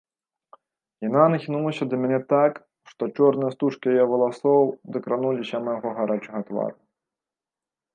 Яна нахінулася да мяне так, што чорныя стужкі яе валасоў дакрануліся майго гарачага твару.